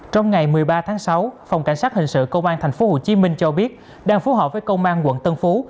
trong ngày một mươi ba tháng sáu phòng cảnh sát hình sự công an tp hồ chí minh cho biết đang phú họ với công an quận tân phú